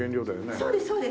そうですそうです。